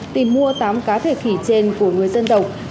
tìm mua tám cá thể khỉ trên của người dân tộc